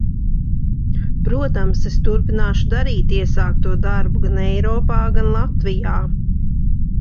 Protams, es turpināšu darīt iesākto darbu gan Eiropā, gan Latvijā.